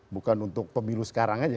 bukan untuk pemilu sekarang aja